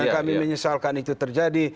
kami menyesalkan itu terjadi